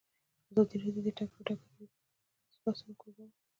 ازادي راډیو د د تګ راتګ ازادي په اړه د پرانیستو بحثونو کوربه وه.